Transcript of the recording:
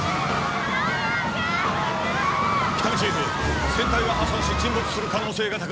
喜多見チーフ船体が破損し沈没する可能性が高い